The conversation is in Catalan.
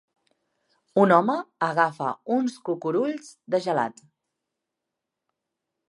Un home agafa uns cucurulls de gelat.